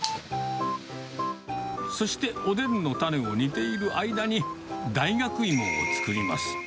そしておでんの種を煮ている間に、大学いもを作ります。